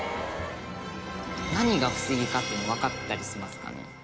「何が不思議かっていうのわかったりしますかね？」